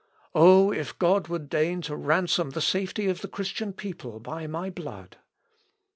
"Oh! if God would deign to ransom the safety of the Christian people by my blood."